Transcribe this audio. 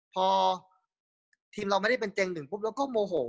พอทีมเราไม่ได้เป็นเต้ง๑แล้วก็โมโห